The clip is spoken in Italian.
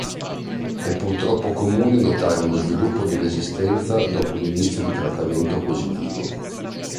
È purtroppo comune notare uno sviluppo di resistenza dopo un inizio di trattamento positivo.